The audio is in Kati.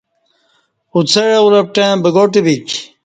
اوڅعہ اولپٹں بگاٹہ ویک